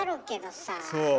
そう。